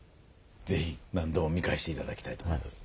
是非何度も見返して頂きたいと思います。